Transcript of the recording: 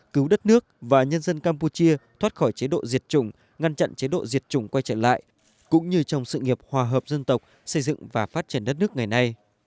cứu đất nước và nhân dân campuchia thoát khỏi chế độ diệt chủng ngăn chặn chế độ diệt chủng quay trở lại cũng như trong sự nghiệp hòa hợp dân tộc xây dựng và phát triển đất nước ngày nay